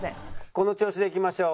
「この調子でいきましょう。